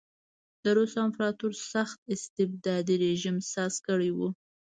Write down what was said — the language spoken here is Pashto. د روس امپراتور سخت استبدادي رژیم ساز کړی و.